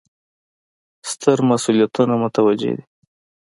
ستر مسوولیتونه متوجه دي.